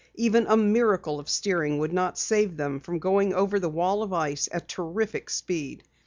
Even a miracle of steering would not save them from going over the wall of ice at terrific speed.